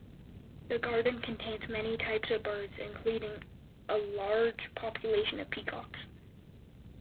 The garden contains many types of birds, including a large population of peacocks.